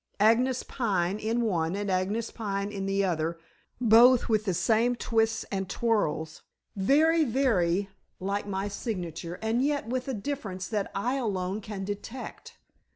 Agnes Pine in one and Agnes Pine in the other, both with the same twists and twirls very, very like my signature and yet with a difference that I alone can detect.